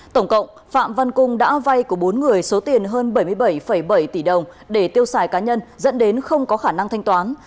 tổng cộng phạm văn cung đã vay của bốn người số tiền hơn bảy mươi bảy bảy tỷ đồng để tiêu xài cá nhân dẫn đến không có khả năng thanh toán